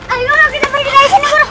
ayo guru kita pergi dari sini guru